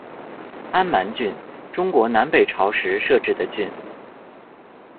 安蛮郡，中国南北朝时设置的郡。